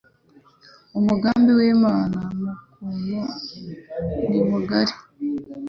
umugambi w'imana kumuntu ni mugari